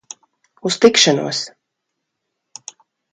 Uz tikšanos!